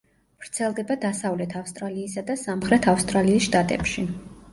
ვრცელდება დასავლეთ ავსტრალიისა და სამხრეთ ავსტრალიის შტატებში.